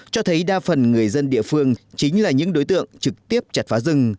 cho thấy đa phần người dân địa phương chính là những đối tượng trực tiếp chặt phá rừng